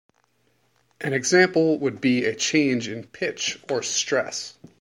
An example would be a change in pitch or stress.